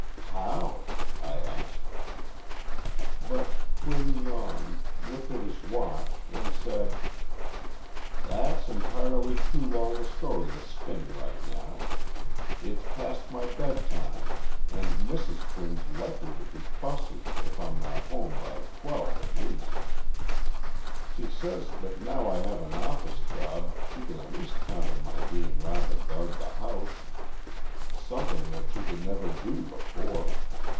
"How?" I asked. But Quinn yawned, looked at his watch, and said: "That's entirely too long a story to spin right now. It's past my bedtime, and Mrs. Quinn's likely to be fussy if I'm not home by twelve at least. She says that now I have an office job she can at least count on my being round to guard the house something that she never could do before.